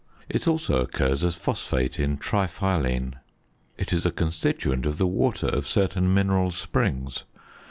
It also occurs as phosphate in triphyline. It is a constituent of the water of certain mineral springs.